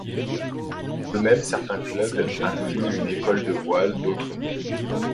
De même certains clubs incluent une école de voile, d'autres non.